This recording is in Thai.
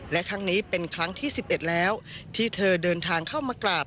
และครั้งนี้เป็นครั้งที่๑๑แล้วที่เธอเดินทางเข้ามากราบ